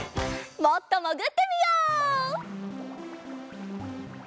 もっともぐってみよう！